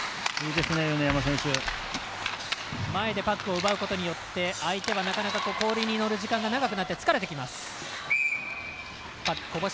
前でパックを奪うことによって相手はなかなか氷に乗る時間が長くなって疲れてきます。